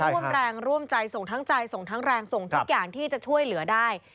ร่วมแรงร่วมใจส่งทั้งใจส่งทั้งแรงส่งทุกอย่างที่จะช่วยเหลือได้